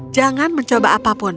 jangan mencoba apapun